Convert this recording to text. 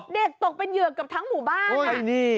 เด็กตกเป็นเหยื่อกับทั้งหมู่บ้าน